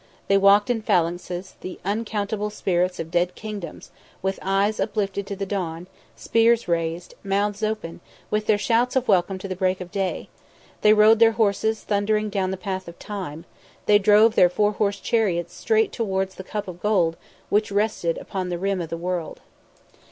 They walked in phalanxes, the uncountable spirits of dead kingdoms, with eyes uplifted to the dawn; spears raised, mouths open, with their shouts of welcome to the break of day, they rode their horses thundering down the path of Time; they drove their four horsed chariots straight towards the cup of gold which rested on the rim of the world.